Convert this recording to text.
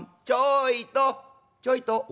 『ちょいとちょいと！』。